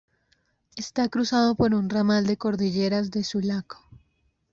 Está cruzado por un ramal de cordilleras de Sulaco.